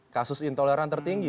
kasus intoleransi tertinggi